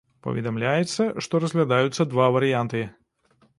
Паведамляецца, што разглядаюцца два варыянты.